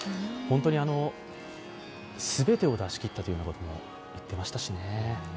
本当に全てを出しきったと言ってましたしね。